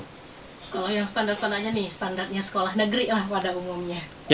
kalau yang standar standarnya nih standarnya sekolah negeri lah pada umumnya